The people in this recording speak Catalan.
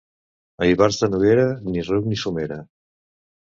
A Ivars de Noguera, ni ruc ni somera.